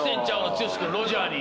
剛君ロジャーに。